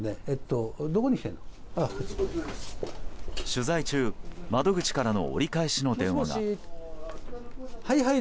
取材中窓口からの折り返しの電話が。